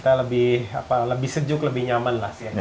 jadi kita lebih sejuk lebih nyaman lah sih